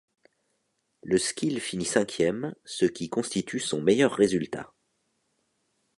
Le Skill finit cinquième, ce qui constitue son meilleur résultat.